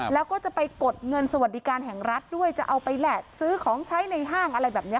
แล้วก็จะไปกดเงินสวัสดิการแห่งรัฐด้วยจะเอาไปแหลกซื้อของใช้ในห้างอะไรแบบนี้